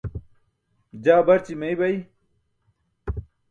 Jaa barći meybay.